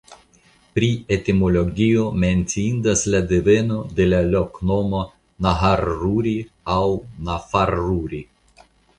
Pri etimologio menciindas la deveno de la loknomo "Naharruri" aŭ "Nafarruri".